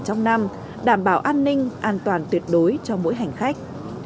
trong năm đảm bảo an ninh an toàn tuyệt đối cho mỗi hành khách